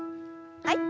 はい。